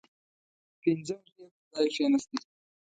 پنځم زوی یې پر ځای کښېنستی.